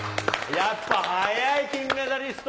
やっぱ速い、金メダリスト。